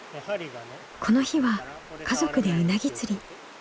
この日は家族でうなぎ釣り。